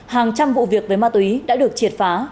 hàng trăm vụ việc với ma túy đã được triệt phá